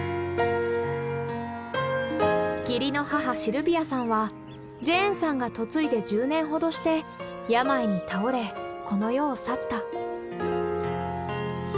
義理の母シルビアさんはジェーンさんが嫁いで１０年ほどして病に倒れこの世を去った。